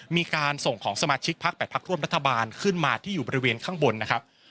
มีการส่งของสมาชิกพัก๘พักร่วมรัฐบาลขึ้นมาที่อยู่บริเวณข้างบนนะครับ